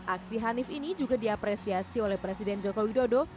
aksi hanif ini juga diapresiasi oleh presiden jokowi dodo